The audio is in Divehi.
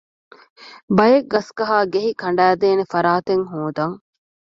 ބައެއް ގަސްގަހާގެހި ކަނޑައިދޭނެ ފަރާތެއް ހޯދަން